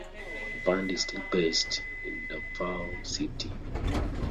The band is still based in Davao City.